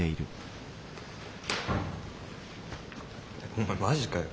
お前マジかよ。